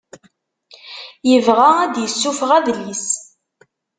Yebɣa ad d-isuffeɣ adlis.